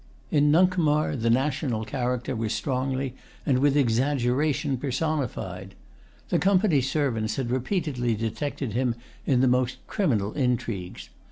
In Nuncomar the national character was strongly and with exaggeration personified. The Company's servants had repeatedly detected him in the most criminal intrigues.